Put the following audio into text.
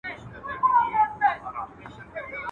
دښمن که دي د لوخو پړى وي، هم ئې مار بوله.